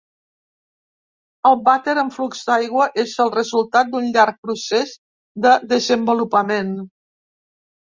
El vàter amb flux d'aigua és el resultat d'un llarg procés de desenvolupament.